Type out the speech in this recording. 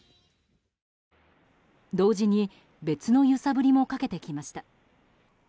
同時に別の揺さぶりもかけてきました。